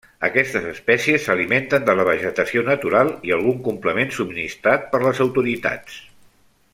Aquestes espècies s'alimenten de la vegetació natural i algun complement subministrat per les autoritats.